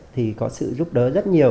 thì có sự giúp đỡ rất nhiều